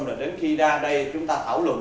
rồi đến khi ra đây chúng ta thảo luận